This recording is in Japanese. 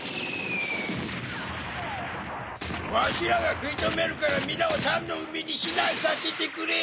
わしらが食い止めるから皆を酸の湖に避難させてくれ。